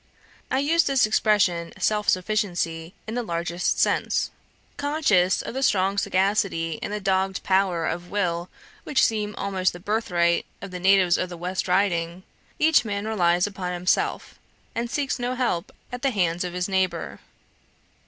I use this expression "self sufficiency" in the largest sense. Conscious of the strong sagacity and the dogged power of will which seem almost the birthright of the natives of the West Riding, each man relies upon himself, and seeks no help at the hands of his neighbour.